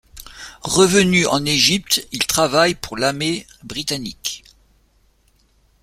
Revenu en Égypte, il travaille pour l’armée britannique.